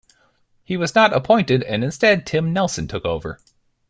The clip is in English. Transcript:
He was not appointed and instead Tim Nielsen took over.